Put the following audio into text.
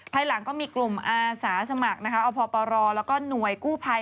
ภายหลังก็มีกลุ่มสาธารณ์สมัครอภและก็หน่วยกู้ภัย